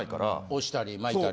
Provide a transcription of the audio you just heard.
押したり巻いたり。